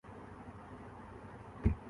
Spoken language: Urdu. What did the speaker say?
بھوٹان